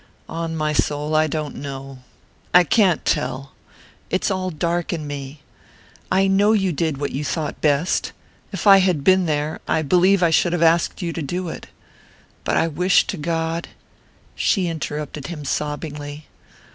"On my soul, I don't know...I can't tell...it's all dark in me. I know you did what you thought best...if I had been there, I believe I should have asked you to do it...but I wish to God " She interrupted him sobbingly.